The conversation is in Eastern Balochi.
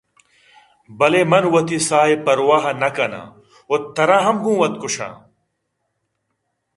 بلے من وتی ساہ ءِ پرواہ ءَ نہ کنان ءُ ترا ہم گوں وت کُشاں